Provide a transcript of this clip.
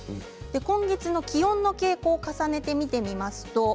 今月の気温の傾向を重ねてみます。